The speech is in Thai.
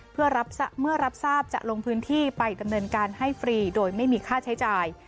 เมื่อรับทราบจะลงพื้นที่ไปดำเนินการให้ฟรีโดยไม่มีค่าใช้จ่าย